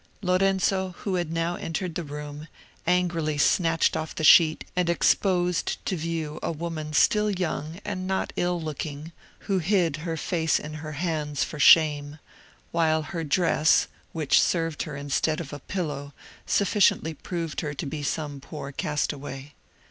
Lorenzo, who had now entered the room, angrily snatched off the sheet and exposed to view a woman still young and not ill looking, who hid her face in her hands for shame, while her dress, which served her instead of a pillow, sufficiently proved her to be some poor castaway.